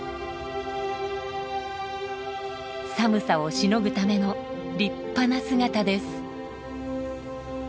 寒さをしのぐための立派な姿です。